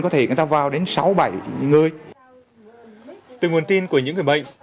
từ nguồn tin của những người bệnh